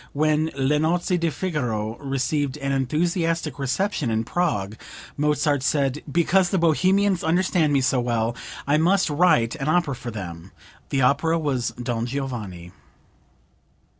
When "Le Nozze di Figaro" received an enthusiastic reception in Prague, Mozart said: "Because the Bohemians understand me so well I must write an opera for them." The opera was "Don Giovanni.")